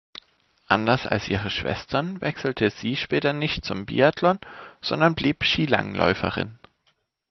Anders als ihre Schwestern wechselte sie später nicht zum Biathlon, sondern blieb Skilangläuferin.